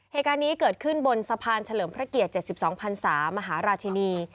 เหตุการณ์นี้เกิดขึ้นบนสะพานเฉลิมพระเกียรติ๗๒พันศามหาราชินี